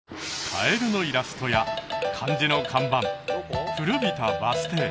カエルのイラストや漢字の看板古びたバス停